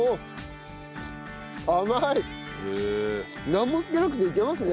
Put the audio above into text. なんも付けなくていけますね。